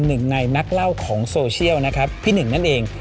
หนึ่งในนักเล่าของโซเชียลนะครับพี่หนึ่งนั่นเอง